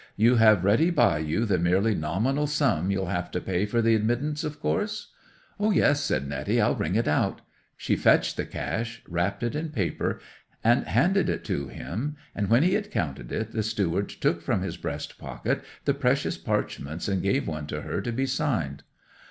"You have ready by you the merely nominal sum you'll have to pay for the admittance, of course?" '"Yes," said Netty. "I'll bring it out." She fetched the cash, wrapped in paper, and handed it to him, and when he had counted it the steward took from his breast pocket the precious parchments and gave one to her to be signed.